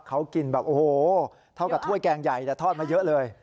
เขากินแบบโอ้โหเท่ากับถ้วยแกงใหญ่แต่ทอดมาเยอะเลย